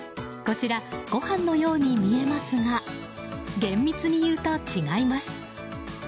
こちら、ご飯のように見えますが厳密にいうと違います。